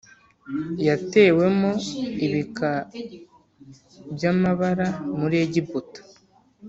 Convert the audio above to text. yatewemo ibika by amabara muri Egiputa